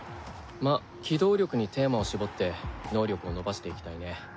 まあ機動力にテーマを絞って能力を伸ばしていきたいね。